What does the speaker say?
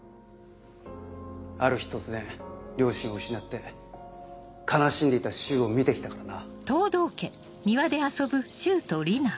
ある日突然両親を失って悲しんでいた柊を見て来たからな。